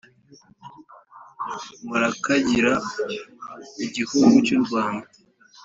murakagira igihugu cy’u rwanda